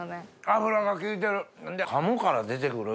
油が効いてる！